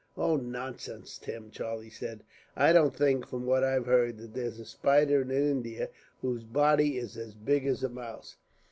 "Oh, nonsense, Tim!" Charlie said; "I don't think, from what I've heard, that there's a spider in India whose body is as big as a mouse."